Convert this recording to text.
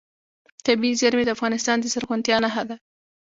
طبیعي زیرمې د افغانستان د زرغونتیا نښه ده.